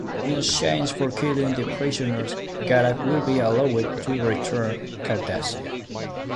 In exchange for killing the prisoners, Garak will be allowed to return to Cardassia.